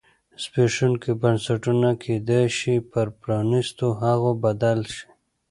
زبېښونکي بنسټونه کېدای شي پر پرانیستو هغو بدل شي.